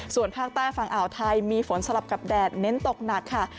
ส่วนภาคใต้ฝั่งอ่าวไทยมีฝนสลับกับแดดเน้นตกหนักค่ะ